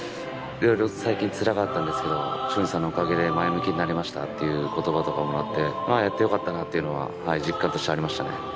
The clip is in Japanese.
色々最近つらかったんですけど松陰寺さんのおかげで前向きになれましたっていう言葉とかをもらってやってよかったなっていうのははい実感としてありましたね。